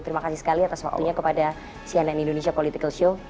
terima kasih sekali atas waktunya kepada cnn indonesia political show